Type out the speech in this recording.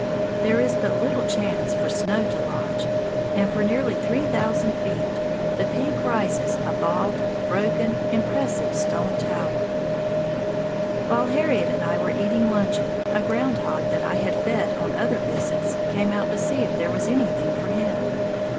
There is but little chance for snow to lodge, and for nearly three thousand feet the peak rises a bald, broken, impressive stone tower. While Harriet and I were eating luncheon, a ground hog that I had fed on other visits came out to see if there was anything for him.